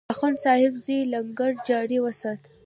د اخندصاحب زوی لنګر جاري وسات.